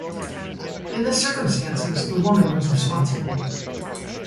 In the circumstances the woman was responsible.